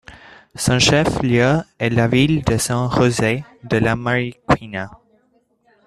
Son chef lieu est la ville de San José de la Mariquina.